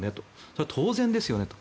それは当然ですよねと。